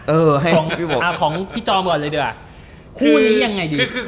เออให้ของพี่จอมก่อนเลยดีกว่าคู่นี้ยังไงดี